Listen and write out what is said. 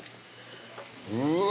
うわ。